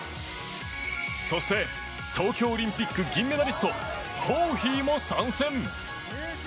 そして東京オリンピック銀メダリスト、ホーヒーも参戦。